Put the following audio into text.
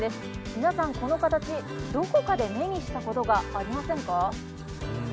皆さん、この形、どこかで目にしたことがありませんか？